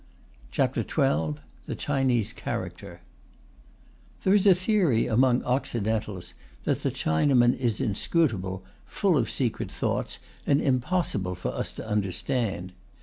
] CHAPTER XII THE CHINESE CHARACTER There is a theory among Occidentals that the Chinaman is inscrutable, full of secret thoughts, and impossible for us to understand.